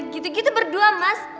gitu gitu berdua mas